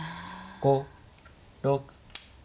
５６。